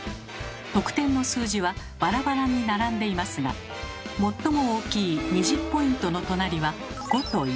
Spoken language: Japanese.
得点の数字はバラバラに並んでいますが最も大きい２０ポイントの隣は５と１。